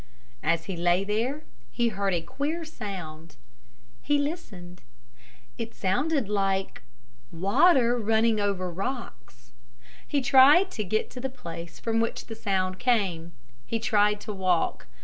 As he lay there he heard a queer sound. He listened. It sounded like water running over rocks. He tried to get to the place from which the sound came. He tried to walk.